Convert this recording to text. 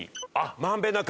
満遍なく。